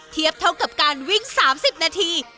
เทียบเท่ากับการวิ่ง๓๐นาที